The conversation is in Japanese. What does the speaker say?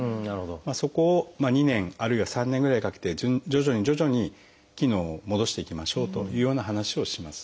そこを２年あるいは３年ぐらいかけて徐々に徐々に機能を戻していきましょうというような話をします。